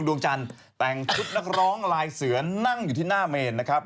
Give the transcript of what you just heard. พวกนางทุดนักร้องลายเสือนนั่งอยู่ที่หน้าเมนนะครับ